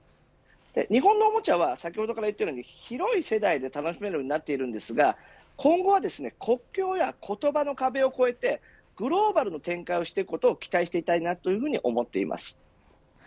日本のおもちゃは先ほどから言ったように広い世代で楽しめるようになっていますが今後は国境や言葉の壁を越えてグローバルな展開をしていくことを期待したいと思います。